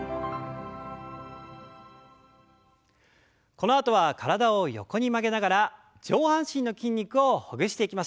このあとは体を横に曲げながら上半身の筋肉をほぐしていきましょう。